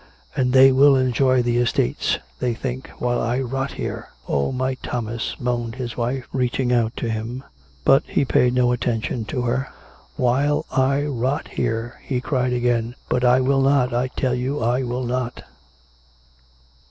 "And they will enjoy the estates, they think, while I rot here !"" Oh, my Thomas' !" moaned his wife, reaching out to him. But he paid no attention to her. " While I rot here !" he cried again. " But I will not ! I tell you I will not